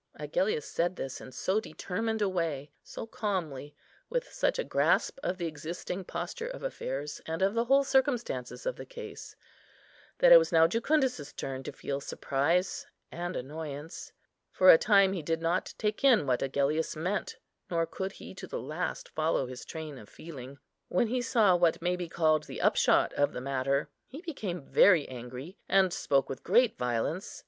Agellius said this in so determined a way, so calmly, with such a grasp of the existing posture of affairs, and of the whole circumstances of the case, that it was now Jucundus's turn to feel surprise and annoyance. For a time he did not take in what Agellius meant, nor could he to the last follow his train of feeling. When he saw what may be called the upshot of the matter, he became very angry, and spoke with great violence.